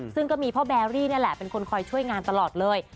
ซึ่งก็มีพ่อแบรี่นี่แหละเป็นคนคอยช่วยงานตลอดเลย